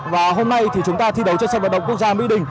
và hôm nay thì chúng ta thi đấu trên sân vận động quốc gia mỹ đình